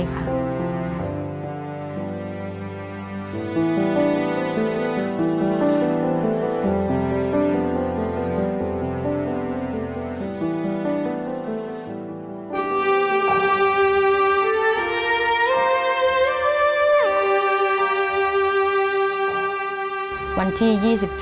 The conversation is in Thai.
สุดท้าย